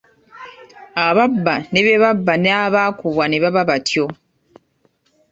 Ababba ne babba n’abakubwa ne baba batyo.